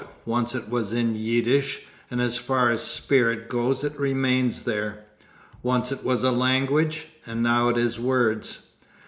Once it was in Yiddish, and as far as spirit goes it remains there. Once it was a language, and now it is words.